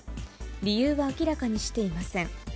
理由は明らかにしていません。